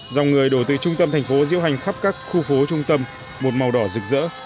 dòng người đổ từ trung tâm thành phố diễu hành khắp các khu phố trung tâm một màu đỏ rực rỡ